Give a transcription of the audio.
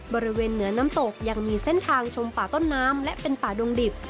บริเวณเหนือน้ำตกยังมีเส้นทางชมป่าต้นน้ำและเป็นป่าดงดิบ